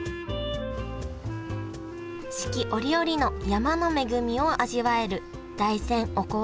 四季折々の山の恵みを味わえる大山おこわ